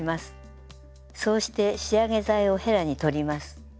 そうして仕上げ剤をへらに取ります。